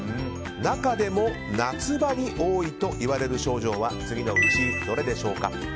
中でも夏場に多いといわれる症状は次のうちどれでしょうか。